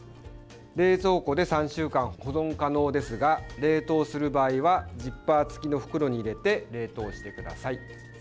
冷蔵庫で３週間、保存可能ですが冷凍する場合はジッパー付きの袋に入れて冷凍してください。